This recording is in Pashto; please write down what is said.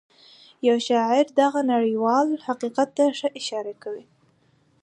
يو شاعر دغه نړيوال حقيقت ته ښه اشاره کوي.